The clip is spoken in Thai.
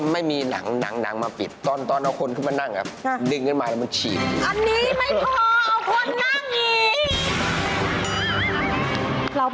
ค่าทุกอย่างก็เกือบหมื่นนะครับค่าทุกอย่างก็เกือบหมื่นนะครับ